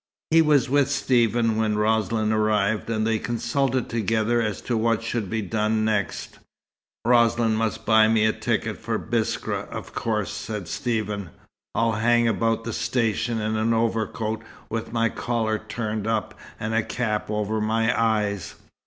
He was with Stephen when Roslin arrived, and they consulted together as to what should be done next. "Roslin must buy me a ticket for Biskra, of course," said Stephen. "I'll hang about the station in an overcoat with my collar turned up and a cap over my eyes.